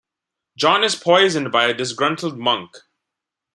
John is poisoned by a disgruntled monk.